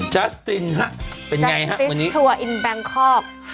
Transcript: จัสตินฮะเป็นอย่างไรฮะวันนี้จัสตินฟิสชัวร์อินแบงคอร์ก